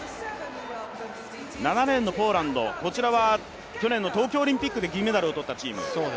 ７レーンのポーランド、こちらは去年の東京オリンピックで銀メダルを取ったチーム。